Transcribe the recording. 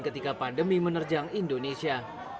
ketika pandemi menerjang indonesia